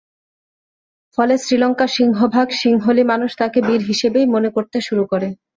ফলে শ্রীলঙ্কার সিংহভাগ সিংহলি মানুষ তাঁকে বীর হিসেবেই মনে করতে শুরু করে।